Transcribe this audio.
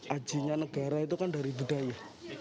ajinya negara itu kan dari budaya